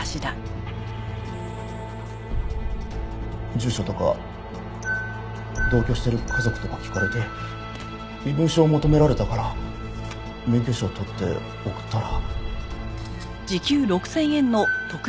住所とか同居してる家族とか聞かれて身分証求められたから免許証を撮って送ったら。